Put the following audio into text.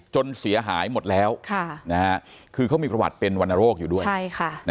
จนเสียหายหมดแล้วคือเขามีประวัติเป็นวรรณโรคอยู่ด้วยใช่ค่ะ